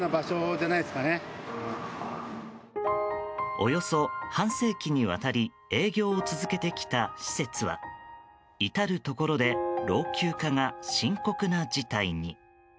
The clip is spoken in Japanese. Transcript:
およそ半世紀にわたり営業を続けてきた施設はいたるところで老朽化が深刻な事態に。